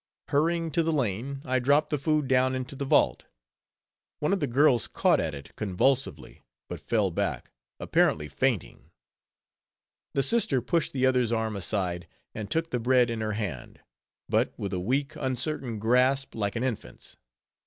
Hurrying to the lane, I dropped the food down into the vault. One of the girls caught at it convulsively, but fell back, apparently fainting; the sister pushed the other's arm aside, and took the bread in her hand; but with a weak uncertain grasp like an infant's.